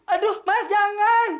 aduh mas jangan